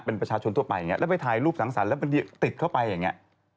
เป็นประชาชนทั่วไปอย่างนี้แล้วไปถ่ายรูปสังสรรค์แล้วบางทีติดเข้าไปอย่างนี้